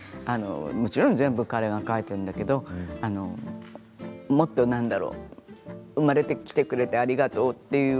もちろん全部彼が書いているんだけれどもっと、なんだろう生まれてきてくれてありがとうっていう